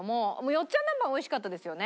よっちゃんなんばん美味しかったですよね。